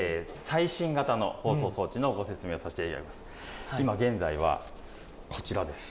最新型の放送装置のご説明をさせていただきます。